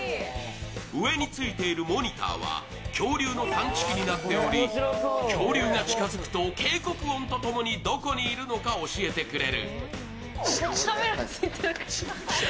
上についているモニターは恐竜の探知機になっており恐竜が近づくと警告音と共にどこにいるのか教えてくれる。